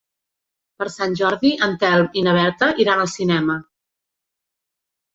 Per Sant Jordi en Telm i na Berta iran al cinema.